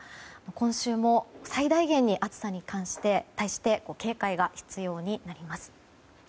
今週も最大限に、暑さに対して警戒が必要になります。